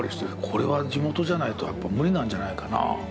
これは地元じゃないと無理なんじゃないかな。